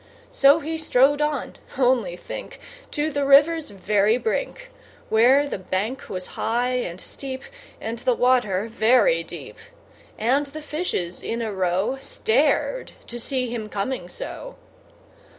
So he strode on, only think! To the river's very brink, Where the bank was high and steep, And the water very deep; And the fishes, in a row, Stared to see him coming so.